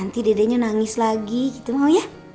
sepeda gak mau